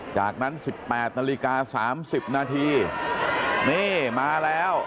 จากนั้นสิบแปดนาฬิกาสามสิบนาทีนี่มาแล้ว